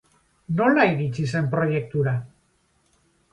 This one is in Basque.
Nola iritsi zen proiektura?